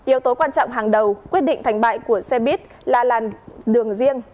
yếu tố quan trọng hàng đầu quyết định thành bại của xe buýt là làn đường riêng